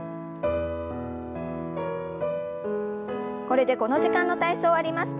これでこの時間の体操終わります。